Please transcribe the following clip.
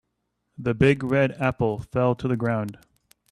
The big red apple fell to the ground.